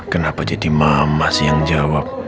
kenapa jadi mama sih yang jawab